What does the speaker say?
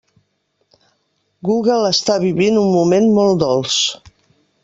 Google està vivint un moment molt dolç.